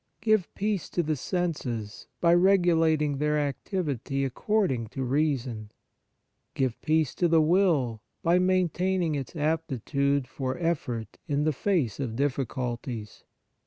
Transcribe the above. Give peace to the senses, by regulating their activity according to reason. Give peace to the will, by maintaining its aptitude for effort in the face of difficulties.